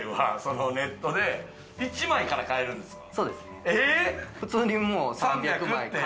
タイルはネットで１枚から買えるんですか？